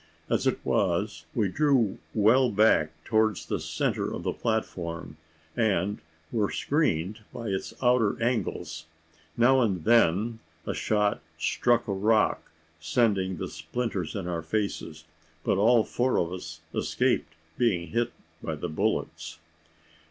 As it was, we drew well back towards the centre of the platform; and were screened by its outer angles. Now and then a shot struck the rock, sending the splinters in our faces; but all four of us escaped being hit by the bullets.